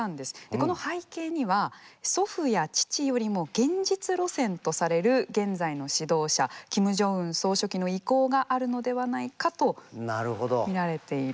この背景には祖父や父よりも現実路線とされる現在の指導者キム・ジョンウン総書記の意向があるのではないかと見られている。